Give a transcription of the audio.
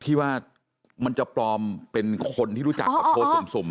ที่ว่ามันจะปลอมเป็นคนที่รู้จักกับโพสต์สุ่ม